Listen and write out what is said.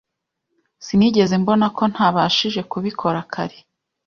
Sinigeze mbonako ntabashije kubikora kare